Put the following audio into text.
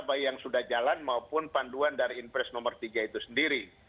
baik yang sudah jalan maupun panduan dari inpres nomor tiga itu sendiri